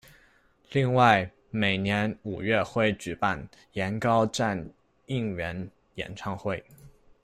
另外每年五月会举办延高战应援演唱会。